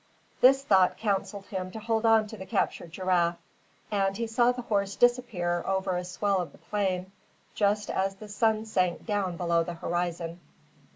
This thought counselled him to hold on to the captured giraffe; and he saw the horse disappear over a swell of the plain, just as the sun sunk down below the horizon.